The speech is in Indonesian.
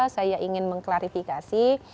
saya ingin mengklarifikasi